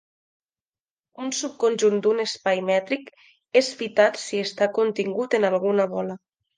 Un subconjunt d'un espai mètric és fitat si està contingut en alguna bola.